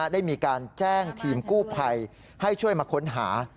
ได้มีการแจ้งทีมกู้ภัยให้ช่วยมาค้นหา